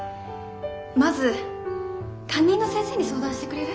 まず担任の先生に相談してくれる？